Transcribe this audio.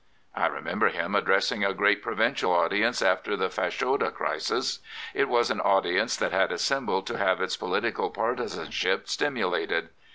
I remember him addressing a great provincial audience after the Fashoda crisis. It was an audience that had assembled to have its political partisanship stimulated.